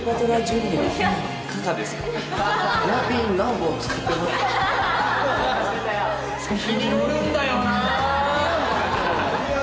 日によるんだよな。